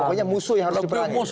pokoknya musuh yang harus diperangi